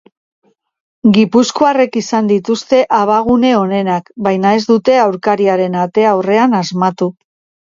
Gipuzkoarrek izan dituzte abagune onenak, baina ez dute aurkariaren ate aurrean asmatu.